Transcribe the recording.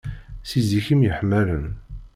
Si zik i myeḥmalen.